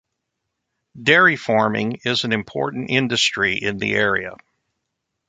Dairy farming is an important industry in the area.